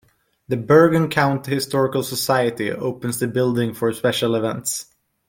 The Bergen County Historical Society opens the building for special events.